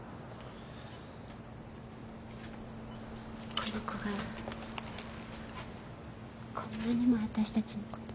この子がこんなにもわたしたちのこと。